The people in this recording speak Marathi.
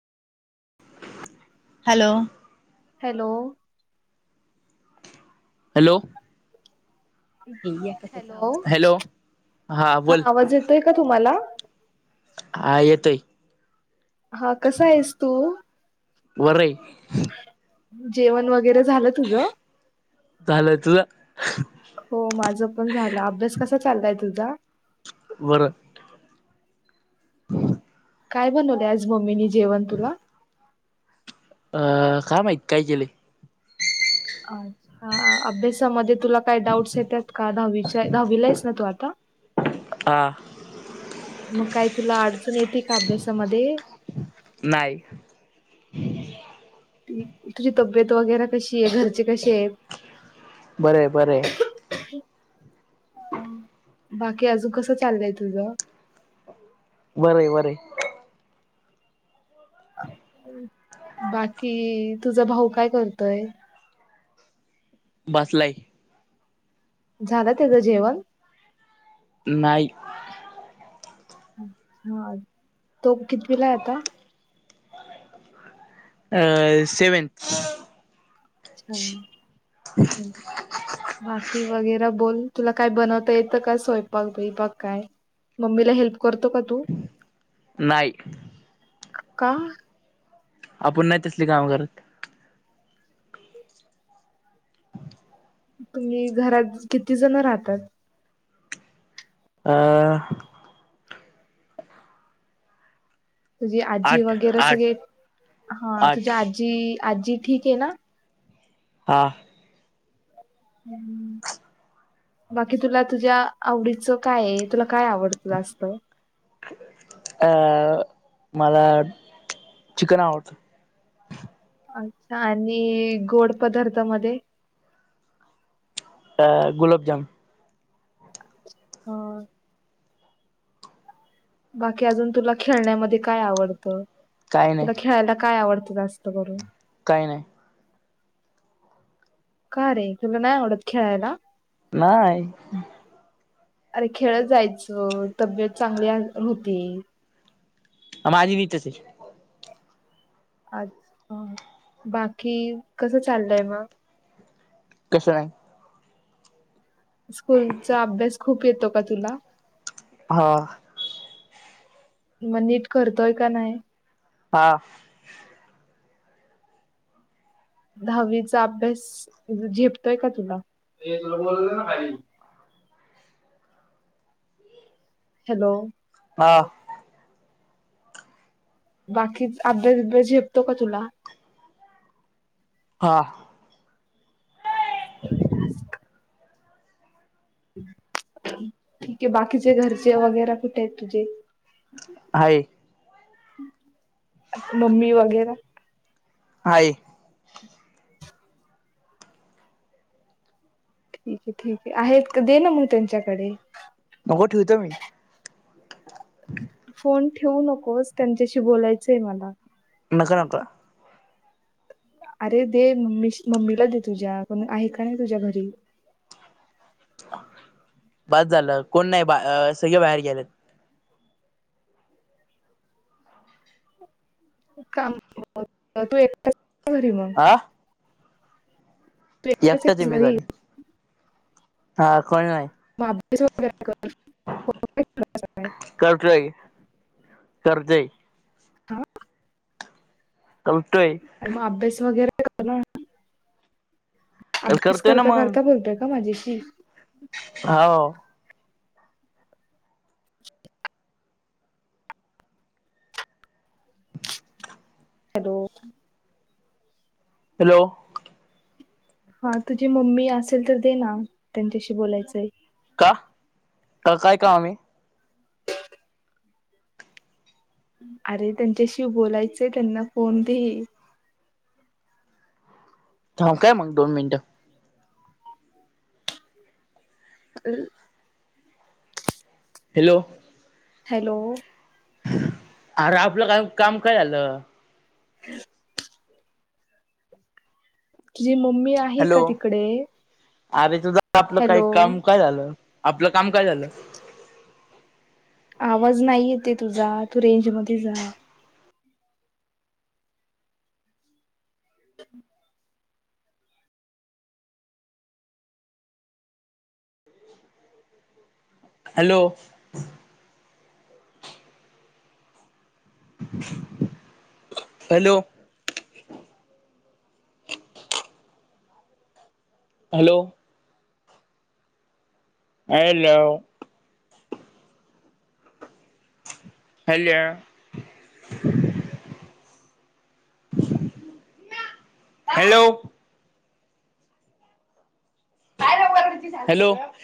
Hello hello hello hello hello हा आवाज येतोय का तुम्हाला हा येतोय हा कसा आहेस तू बर आहे जेवण वगैरे झालं तुझ झालंय तुझ हो माझं पण झालं अभ्यास कसा चाललाय तुझा बरं काय बनवले आज मम्मीनी जेवण तुला अ काय माहित काय केले. अच्छा अभ्यासामध्ये तुला काही डाऊट्स येतात का दहावीच्या दहावीला आहेस ना तू आता हा मग कायच, तुला अडचण येते का अभ्यासामध्ये ह तुझी तब्येत वगैरे कशी आहे घरचे कशी आहे? बर बर बाकी अजून कस चाललंय तुझ बर वर [inaudible] बाकी तुझा भाऊ काय करतय. बसलाय. झालं त्याचं जेवण? नाहीई. अच्छा तो कीतवीला आता? सेवनथ. अच्छा बाकी वगैर बोल तुला काय बनवता येतं का स्वयपाक बियपाक काय? मम्मीला हेल्प करतो का तु नाही का? आपण नाही तसली काम करत. तुम्ही घरात किती जण राहतात? अ तुझी आजी आठ वगैरे आठ सगळे हा आठ तुझ्या आजी आजी ठीक ये ना? हा. हम्म. बाकी तुला तुझ्या आवडीच काय ये? तुला काय आवडत जास्त? अ मला चिकन आवडत. ऐंका आणि गोड पदार्थ मधे. अ गुलाबजाम. हं. बाकी अजून तुला खेळण्यामध्ये काय आवडतं? काही नाही तुला खेळायला- - काय आवडतं जास्त करून. काही नाही. का रे तुला नाय आवडत खेळायला. नाही अरे खेळत जायचं तब्ययेत चांगली होती. [unintelligible] अच्छा बाकी कसं चाललंय मग. कस आहे? स्कूलचा अभ्यास खूप येतो का तुला. हा. म नीट करताय का नाही? हा. दहावीचा अभ्यास झेपतोय का तुला? ऐ तुला बोलवल ना खाली. हॅलो. हा. बाकीच अभ्यास बिब्यास झेपतो का तुला. हा. [unintelligible] ठीक आहे बाकीचे घरचे वगैरे कुठे आहेत तुझे. आहे. मम्मी वगैरे. आहे. ठीक आहे ठीक आहे आहेत का दे ना मग त्यांच्याकडे. नको ठेवतो मी. फोन ठेवू नकोस त्यांच्याशी बोलायचंय मला. [unintelligible] अरे दे मम्मी मम्मीला दे तुझ्या कोण आहे का नाही तुझ्या घरी. बस झालं कोण नाही बा सगळे बाहेर गेलेत. [unintelligible] तू एकटाच एकटाचय आहेस मी घरी. हा. कोणी नाही [inaudible] कर्जे. काय? का आणि मग अभ्यास वगैरे करणार ना, अभ्यास करतोय करता करता बोलतोय का माझ्याशी? हा ओ, हॅलो, हॅलो, हा तुझी मम्मी असेल तर दे ना त्यांच्याशी बोलायचंय. का का काय काम आहे? अरे त्यांच्याशी बोलायचंय त्यांना फोन दे. थांब काय मग दोन मिनिटं अर्र [inaudible] हॅलो, हॅलो, अरे आपलं काय काम काय झालं. [unintelligible] तुझी मम्मी आहे हॅलो का तिकडे. अरे त आपलं काय हॅलो काम काय झालं आपलं काम काय झालं. आवाज नाही येते तुझा तू रेंज मध्ये जा [inaudible] hello, hello, hello, hello, hello, hello, hello,